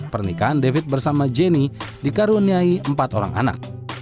pernikahan david bersama jenny dikaruniai empat orang anak